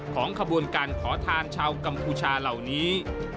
ของขบวนการขอทานชาวกัมพูชาเหล่านี้